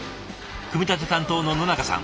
組み立て担当の野中さん。